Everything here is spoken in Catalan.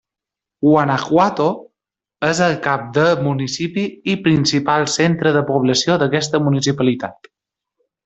Guanajuato és el cap de municipi i principal centre de població d'aquesta municipalitat.